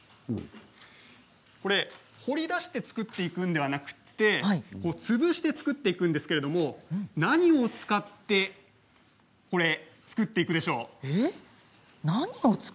これは彫り出して作っているのではなくて潰して作っていくんですけれど何を使って作っていくでしょうか。